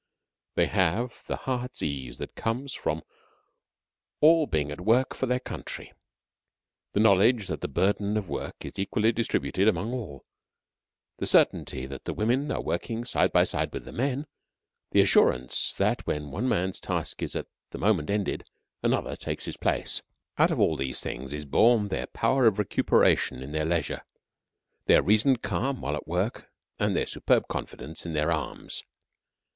They have the heart's ease that comes from all being at work for their country; the knowledge that the burden of work is equally distributed among all; the certainty that the women are working side by side with the men; the assurance that when one man's task is at the moment ended, another takes his place. Out of these things is born their power of recuperation in their leisure; their reasoned calm while at work; and their superb confidence in their arms.